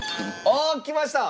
あっきました！